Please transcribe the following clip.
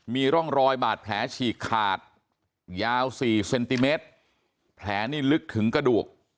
มีร่องรอยบาดแผลฉีกขาดยาว๔เซนติเมตรแผลนี่ลึกถึงกระดูก